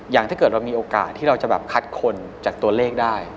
ถ้าเกิดเรามีโอกาสที่เราจะแบบคัดคนจากตัวเลขได้